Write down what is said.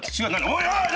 おいおい。